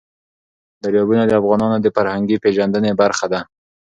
دریابونه د افغانانو د فرهنګي پیژندنې برخه ده.